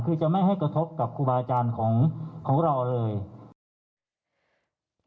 คือจะไม่ให้กระทบกับครูบาอาจารย์ของเราเลยนะครับ